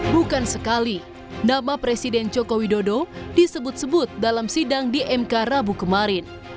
bukan sekali nama presiden joko widodo disebut sebut dalam sidang di mk rabu kemarin